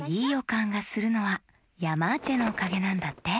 かんがするのはヤマーチェのおかげなんだって。